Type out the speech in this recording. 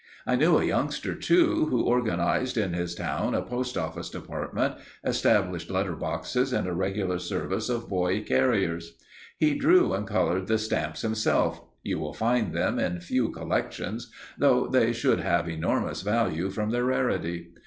I knew a youngster, too, who organized in his town a postoffice department, established letter boxes and a regular service of boy carriers. He drew and coloured the stamps himself you will find them in few collections, though they should have enormous value from their rarity.